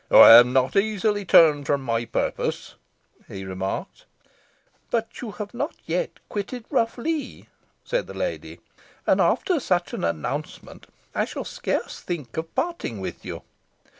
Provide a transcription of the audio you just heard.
"I am not easily turned from my purpose," he remarked. "But you have not yet quitted Rough Lee," said the lady, "and after such an announcement I shall scarce think of parting with you."